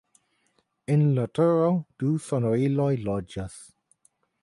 En la turo du sonoriloj loĝas.